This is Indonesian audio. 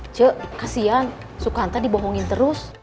cek kasian sukanta dibohongin terus